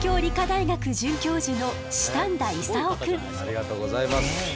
ありがとうございます。